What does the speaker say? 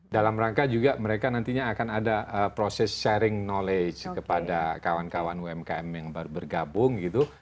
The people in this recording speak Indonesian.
dalam rangka juga mereka nantinya akan ada proses sharing knowledge kepada kawan kawan umkm yang baru bergabung gitu